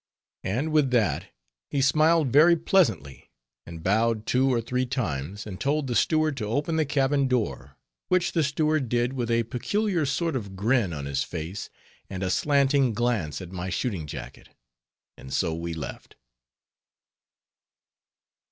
And with that he smiled very pleasantly, and bowed two or three times, and told the steward to open the cabin door, which the steward did with a peculiar sort of grin on his face, and a slanting glance at my shooting jacket. And so we left.